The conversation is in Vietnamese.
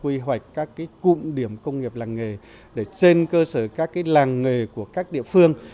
quy hoạch các cụm điểm công nghiệp làng nghề để trên cơ sở các làng nghề của các địa phương